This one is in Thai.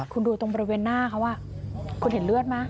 คุณดูตรงบริเวณหน้าเขาคุณเห็นเลือดไหม